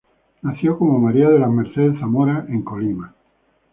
Nació como María de las Mercedes Zamora en Colima.